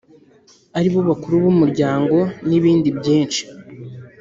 ari bo bakuru b’umuryango n’ibindi byinshi.